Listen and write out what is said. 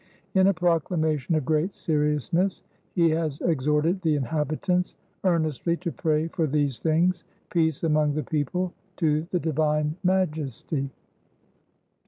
In a proclamation of great seriousness, he has exhorted the inhabitants earnestly to pray for these things [peace among the people] to the Divine Majesty.